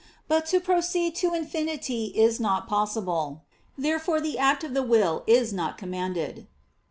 But to proceed to infinity is not possible. Therefore the act of the will is not commanded.